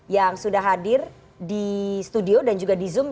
yang sudah hadir di studio dan juga di zoom